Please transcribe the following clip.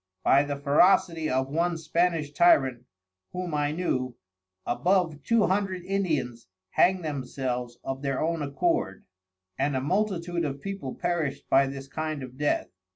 By the ferocity of one Spanish Tyrant (whom I knew) above Two Hundred Indians hang'd themselves of their own accord; and a multitude of People perished by this kind of Death.